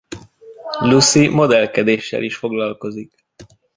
Lucy modellkedéssel is foglalkozik.